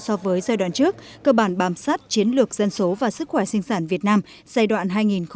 so với giai đoạn trước cơ bản bám sát chiến lược dân số và sức khỏe sinh sản việt nam giai đoạn